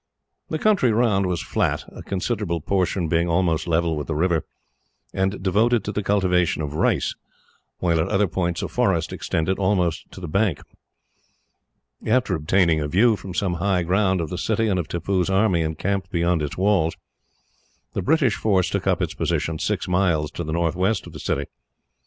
The country round was flat, a considerable portion being almost level with the river, and devoted to the cultivation of rice, while at other points a forest extended, almost to the bank. After obtaining a view, from some high ground, of the city and of Tippoo's army encamped beyond its walls, the British force took up its position six miles to the northwest of the city.